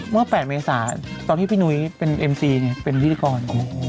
เมื่อ๘เมษาตอนที่พี่นุ้ยเป็นเอ็มซีไงเป็นพิธีกร